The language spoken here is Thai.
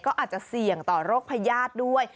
ก็อาจจะเสี่ยงต่อโรคพญาติด้วย